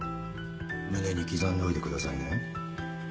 胸に刻んでおいてくださいね。